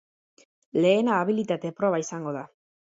Lehena abilitate proba izango da.